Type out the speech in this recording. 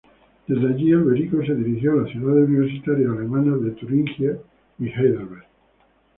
Desde allí, Alberico se dirigió a las ciudades universitarias alemanas de Tübingen y Heidelberg.